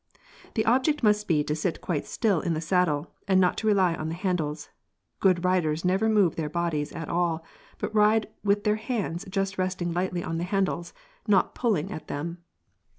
p> The object must be to sit quite still in the saddle, and not to rely on the handles. Good riders never move their bodies at all, but ride with their hands just resting lightly on the handles, not pulling at them.